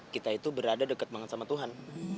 kita itu berada dekat banget sama tuhan